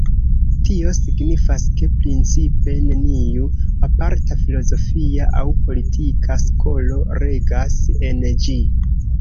Tio signifas, ke principe neniu aparta filozofia aŭ politika skolo regas en ĝi.